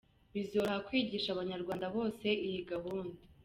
, bizoroha kwigisha Abanyarwanda bose iyi gahunda.